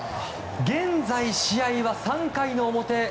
現在、試合は３回の表。